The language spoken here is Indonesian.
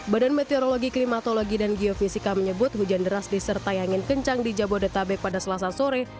badan meteorologi klimatologi dan geofisika menyebut hujan deras disertai angin kencang di jabodetabek pada selasa sore